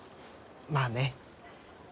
まあね。